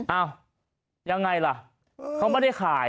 อ้าวยังไงล่ะเขาไม่ได้ขาย